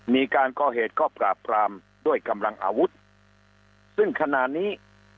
มีการก่อเหตุครอบปราบปรามด้วยกำลังอาวุธซึ่งขณะนี้